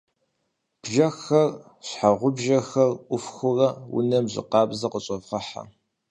Бжэхэр, щхьэгъубжэхэр ӏуфхыурэ унэм жьы къабзэ къыщӀэвгъэхьэ.